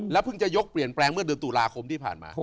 เพิ่งจะยกเปลี่ยนแปลงเมื่อเดือนตุลาคมที่ผ่านมา